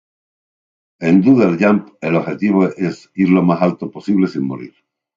En "Doodle Jump", el objetivo es ir lo más alto posible sin morir.